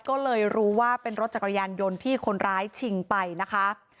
ก็เลยรู้ว่าเป็นรถจักรยานยนต์ที่คนร้ายชิงไปนะคะ